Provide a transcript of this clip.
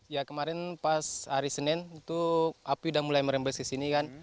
ya kemarin pas hari senin itu api sudah mulai merembes ke sini kan